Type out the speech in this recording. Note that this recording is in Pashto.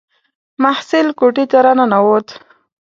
محصل کوټې ته را ننووت.